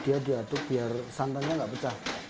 dia diaduk biar santannya nggak pecah